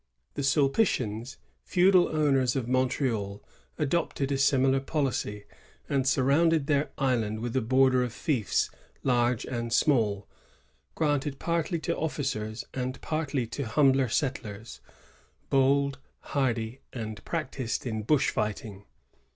The Sulpitians, feudal owners of Montreal, adopted a similar policy, and surrounded their island with a border of fiefs large and small, granted partly to officers and partly to humbler settlers, bold, hardy, and practised in bush fighting.